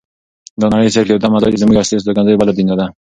دا نړۍ صرف یو دمه ځای دی زمونږ اصلي استوګنځای بله دنیا ده.